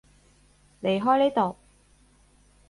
離開呢度